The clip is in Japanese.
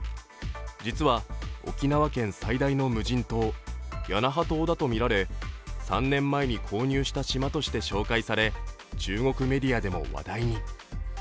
実は沖縄県最大の無人島屋那覇島だとみられ３年前に購入した島として紹介され、中国メディアでも話題に。